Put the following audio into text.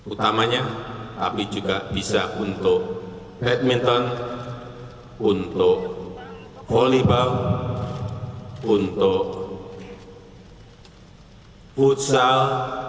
utamanya tapi juga bisa untuk badminton untuk volleybout untuk futsal